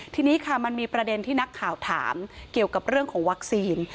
ทีนี้ค่ะมันมีประเด็นที่นักข่าวถามเกี่ยวกับเรื่องของวัคซีน